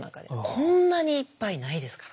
こんなにいっぱいないですから。